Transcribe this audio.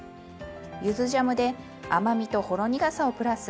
ゆずジャムで甘みとほろ苦さをプラス。